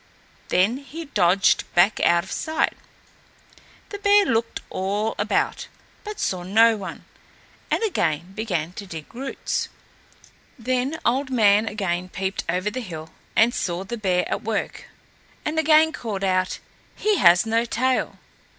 Then he dodged back out of sight. The bear looked all about, but saw no one, and again began to dig roots. Then Old Man again peeped over the hill and saw the bear at work, and again called out, "He has no tail."